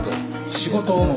仕事？